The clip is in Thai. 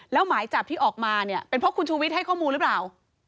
แล้วหมายจับที่ออกมาเนี่ยเป็นเพราะคุณชูวิทย์ให้ข้อมูลหรือเปล่า